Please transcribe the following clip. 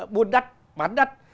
buôn đắt bán đắt